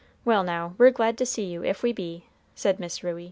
Well now, we're glad to see you, if we be," said Miss Ruey.